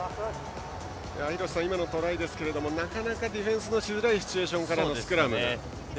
廣瀬さん、今のトライですがなかなかディフェンスのしづらいシチュエーションからのスクラム。